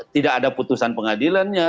tidak ada putusan pengadilannya